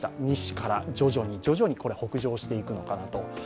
西から徐々に北上していくのかなと。